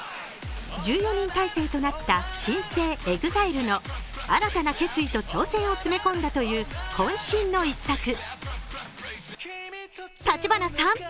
１４人態勢となった新生ＥＸＩＬＥの新たな決意と挑戦を詰め込んだというこん身の１作。